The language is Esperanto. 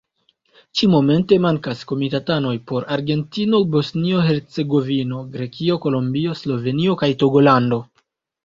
Ĉi-momente mankas komitatanoj por Argentino, Bosnio-Hercegovino, Grekio, Kolombio, Slovenio kaj Togolando.